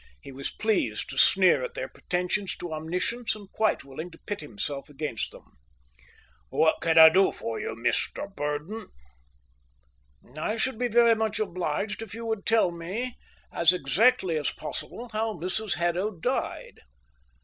He was pleased to sneer at their pretensions to omniscience, and quite willing to pit himself against them. "What can I do for you, Mr Burdon?" "I should be very much obliged if you would tell me as exactly as possible how Mrs Haddo died."